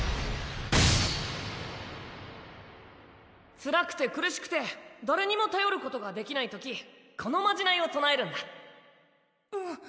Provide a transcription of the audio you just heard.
つらくて苦しくて誰にも頼ることができないときこのまじないを唱えるんだうん